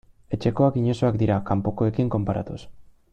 Etxekoak inozoak dira kanpokoekin konparatuz.